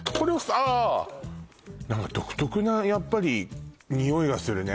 ああ何か独特なやっぱりニオイがするね